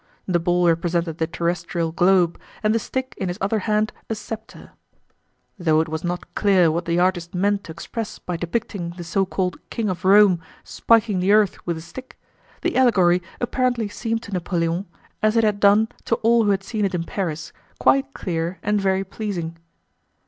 The ball represented the terrestrial globe and the stick in his other hand a scepter. Though it was not clear what the artist meant to express by depicting the so called King of Rome spiking the earth with a stick, the allegory apparently seemed to Napoleon, as it had done to all who had seen it in Paris, quite clear and very pleasing.